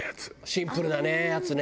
シンプルなやつね。